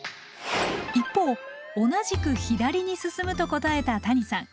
一方同じく左に進むと答えた谷さん。